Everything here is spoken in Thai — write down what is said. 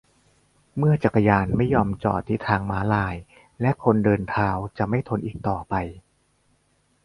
เมื่อจักรยานไม่ยอมจอดที่ทางม้าลาย และคนเดินเท้าจะไม่ทนอีกต่อไป !